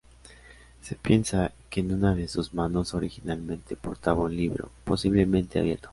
Se piensa que en una de sus manos originalmente portaba un libro, posiblemente abierto.